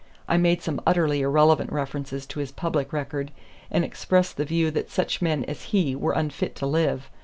I made some utterly irrelevant references to his public record, and expressed the view that such men as he were unfit to live.